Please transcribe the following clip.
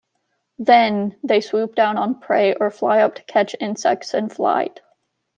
Then, they swoop down on prey or fly up to catch insects in flight.